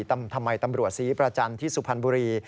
ทำไมตำรวจศรีประจันทร์ที่สุพรรณบุรี